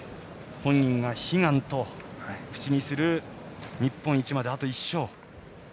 本人が悲願と口にする日本一まであと１勝。